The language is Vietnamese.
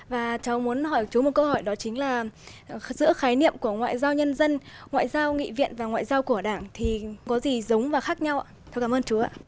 và cháu muốn hỏi chú một câu hỏi đó chính là giữa khái niệm của ngoại giao nhân dân ngoại giao nghị viện và ngoại giao của đảng thì có gì giống và khác nhau ạ